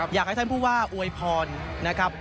อยากให้ท่านผู้ว่าอวยพรนะครับ